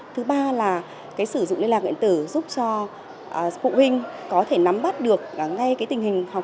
thứ ba là sử dụng liên lạc điện tử giúp cho phụ huynh có thể nắm bắt được ngay cái tình hình học